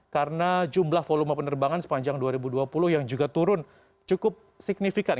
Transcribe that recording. karena jumlah volume penerbangan sepanjang dua ribu dua puluh yang juga turun cukup signifikan